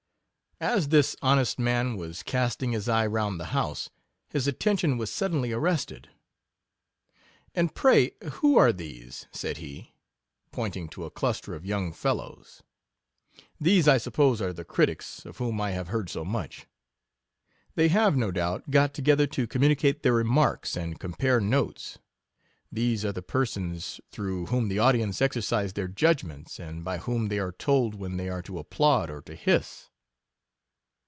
As this honest man was casting his eye round the house, his attention was suddenly arrested. And pray, who are these? said he, pointing to a cluster of young fellows. These, 1 suppose, are the critics, of whom I have heard so much. They have, no doubt, got together to communicate their remarks, and compare notes; these are the persons through whom the audience exercise their judgments, and by whom they are told when they are to applaud or to hiss.